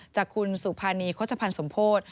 จากคุณสุภานีโฆษภัณฑ์สมโพธิ